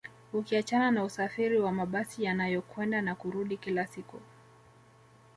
Ukiachana na usafiri wa mabasi yanayokwenda na kurudi kila siku